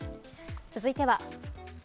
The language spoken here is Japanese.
続いては。